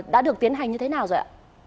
đã được tiến hành như thế nào rồi ạ